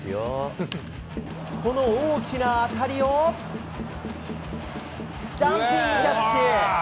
この大きな当たりを、ジャンピングキャッチ！